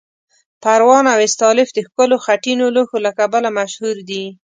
پروان او استالف د ښکلو خټینو لوښو له کبله مشهور دي.